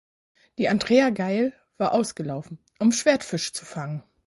Die "Andrea Gail" war ausgelaufen, um Schwertfisch zu fangen.